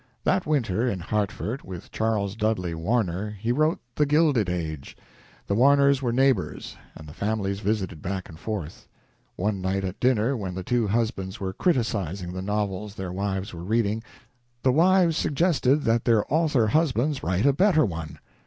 That winter in Hartford, with Charles Dudley Warner, he wrote "The Gilded Age." The Warners were neighbors, and the families visited back and forth. One night at dinner, when the two husbands were criticizing the novels their wives were reading, the wives suggested that their author husbands write a better one.